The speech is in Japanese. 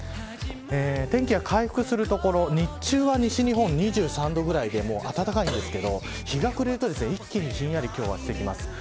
天気が回復する所日中は西日本２３度ぐらいで暖かいんですけど日が暮れると一気にひんやり今日はしてきます。